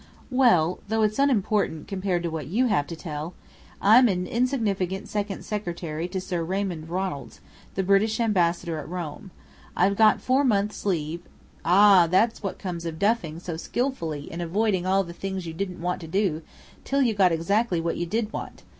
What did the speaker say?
"Well though it's unimportant compared to what you have to tell! I'm an insignificant second secretary to Sir Raymond Ronalds, the British Ambassador at Rome. I've got four months' leave " "Ah, that's what comes of duffing so skilfully, and avoiding all the things you didn't want to do, till you got exactly what you did want!